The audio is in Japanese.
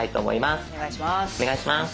お願いします。